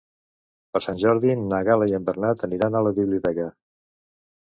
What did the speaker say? Per Sant Jordi na Gal·la i en Bernat aniran a la biblioteca.